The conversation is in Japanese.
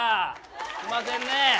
すいませんね。